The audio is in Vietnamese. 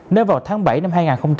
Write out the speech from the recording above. nếu vào tháng bảy năm hai nghìn hai mươi